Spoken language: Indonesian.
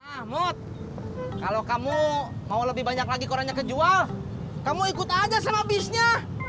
ah mood kalau kamu mau lebih banyak lagi korannya kejual kamu ikut aja sama bisnya